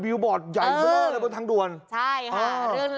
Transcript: บิวบอร์ตใหญ่เบอะเลยบนทางดวนใช่ฮะเหรียญ